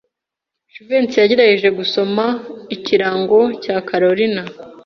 Jivency yagerageje gusoma ikirango cya Kalorina.